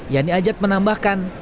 yani ajat menambahkan